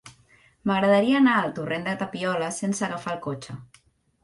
M'agradaria anar al torrent de Tapioles sense agafar el cotxe.